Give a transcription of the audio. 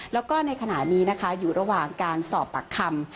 แล้วก็ในขณะนี้นะคะอยู่ระหว่างการสอบปากคำ